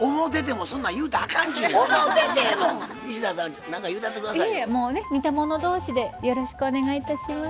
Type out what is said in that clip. もうね似た者同士でよろしくお願いいたします。